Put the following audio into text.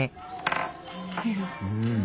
うん。